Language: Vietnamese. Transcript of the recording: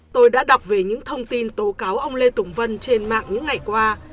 tôi đã đọc về những thông tin tố cáo ông lê tùng vân trên mạng những ngày qua